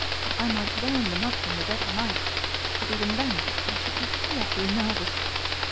I might burn them up in the dead of night, but even then I should be fearfully nervous."